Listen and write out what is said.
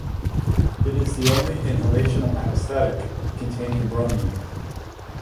It is the only inhalational anesthetic containing bromine.